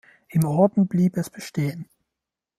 Im Orden blieb es bestehen.